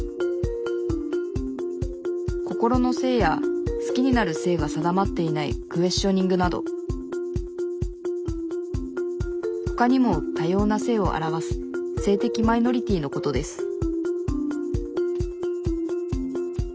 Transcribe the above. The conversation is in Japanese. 心の性や好きになる性が定まっていないクエスチョニングなどほかにも多様な性を表す性的マイノリティーのことです